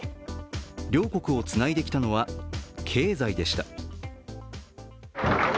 両国をつないできたのは経済でした。